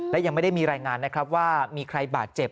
และยังไม่ได้มีรายงานนะครับว่ามีใครบาดเจ็บ